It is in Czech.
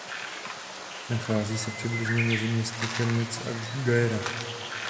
Nachází se přibližně mezi městy Chemnitz a Gera.